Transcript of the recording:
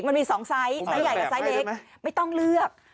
มันมี๒ไซส์ไซส์ใหญ่กับไซส์เล็กไม่ต้องเลือก